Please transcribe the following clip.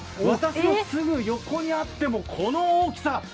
私のすぐ横にあっても、この大きさ。